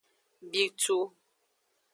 Bitu.